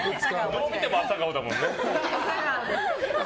どう見ても朝顔だもんね。